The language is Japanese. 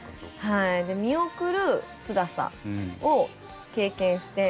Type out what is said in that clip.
で見送るつらさを経験して。